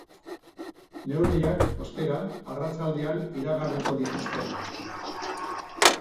Neurriak, ostera, arratsaldean iragarriko dituzte.